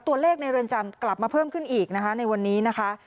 ในเรือนจำกลับมาเพิ่มขึ้นอีกนะคะในวันนี้นะคะ